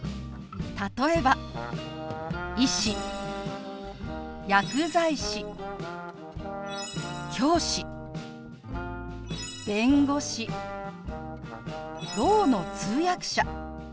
例えば「医師」「薬剤師」「教師」「弁護士」「ろうの通訳者」